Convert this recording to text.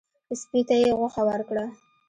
سپي ته یې غوښه ورکړه.